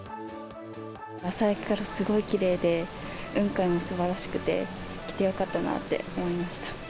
朝焼けからすごいきれいで、雲海も素晴らしくて、来てよかったなって思いました。